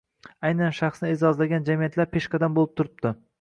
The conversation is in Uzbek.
aynan shaxsni e’zozlagan jamiyatlar peshqadam bo‘lib turibdi.